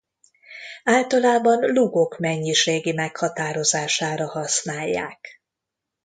Általában lúgok mennyiségi meghatározására használják.